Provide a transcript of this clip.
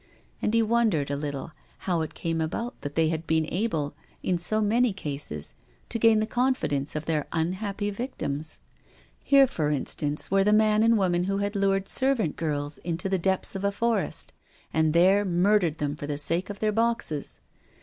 And he wondered a little how it came about that they had been able, in so many cases, to gain the confidence of their un «« TTTTT T I .■. r T^^r^rr^T^ .^" WILLIAM FOSTER. II5 happy victims. Here, for instance, were the man and woman who had lured servant girls into the depths of a forest and there murdered them for the sake of their boxes.